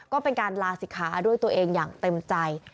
ก็เป็นการลาศิกขาด้วยตัวเองอย่างเต็มใจ